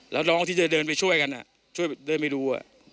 แล้วน้องที่จะเดินไปช่วยกันช่วยเดินไปดู